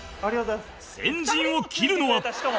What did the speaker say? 先陣を切るのは